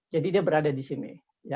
jadi dia berada di sini